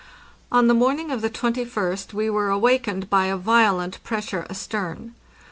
On the morning of the 21st we were awakened by a violent pressure astern.